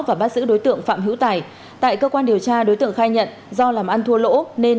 và bắt giữ đối tượng phạm hữu tài tại cơ quan điều tra đối tượng khai nhận do làm ăn thua lỗ nên